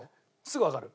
すぐわかる？